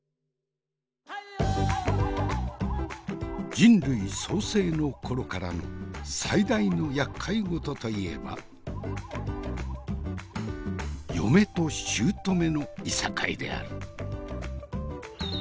人類創生の頃からの最大のやっかい事と言えば嫁としゅうとめのいさかいである。